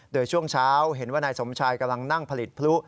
โดยช่วงเช้าเห็นว่านายสมชายกำลังนั่งผลิตพลุ